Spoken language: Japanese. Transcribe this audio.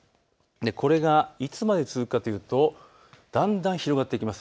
これがいつまで続くかというとだんだん広がっていきます。